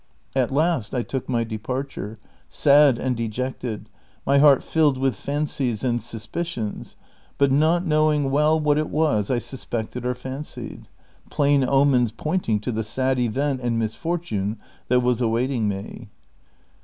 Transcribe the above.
At last I took my departure, sad and dejected, my heart tilled \vith fancies and suspicions, but not knowing well what it was I susi^ected or fancied ; plain omens pointing to the sad event and mistbrtune that was awaiting me.